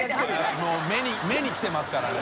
もう目にきてますからね。